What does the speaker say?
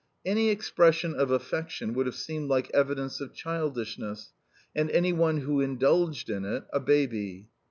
Any expression of affection would have seemed like evidence of childishness, and any one who indulged in it, a baby.